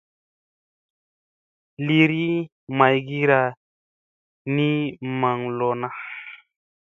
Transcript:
Iiri maygira ni maŋ lona.